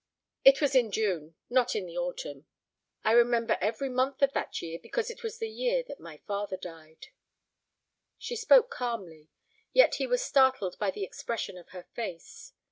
"It was in June, not in the autumn." "I remember every month of that year, because it was the year that my father died." She spoke calmly, yet he was startled by the expression of her face.